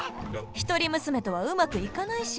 一人娘とはうまくいかないし。